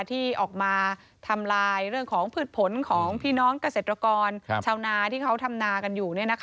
ที่ออกมาทำลายเรื่องของพืชผลของพี่น้องเกษตรกรชาวนาที่เขาทำนากันอยู่